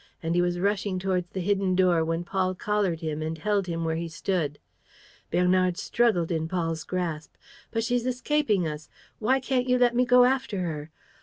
And he was rushing towards the hidden door when Paul collared him and held him where he stood. Bernard struggled in Paul's grasp: "But she's escaping us! ... Why can't you let me go after her?